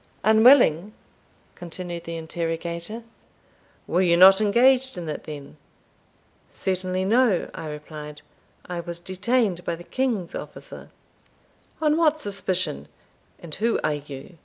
"Unwilling!" continued the interrogator. "Were you not engaged in it then?" "Certainly no," I replied; "I was detained by the king's officer." "On what suspicion? and who are you?